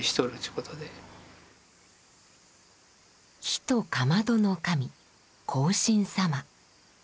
火とかまどの神荒神様。